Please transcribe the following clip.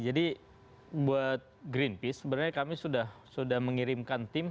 jadi buat greenpeace sebenarnya kami sudah mengirimkan tim